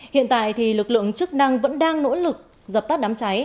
hiện tại lực lượng chức năng vẫn đang nỗ lực dập tắt đám cháy